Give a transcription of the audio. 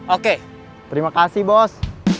oke terima kasih bos